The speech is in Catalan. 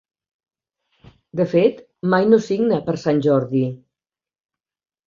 De fet, mai no signa per Sant Jordi.